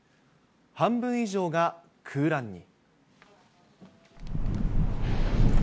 半分以上が空欄に。